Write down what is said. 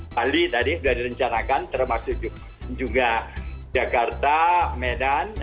bali tadi sudah direncanakan termasuk juga jakarta medan